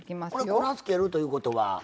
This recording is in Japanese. これ粉をつけるということは。